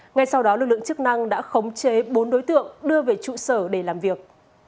ngay sau đó lực lượng chức năng đã khống chế bốn đối tượng đưa về trụ sở để làm việc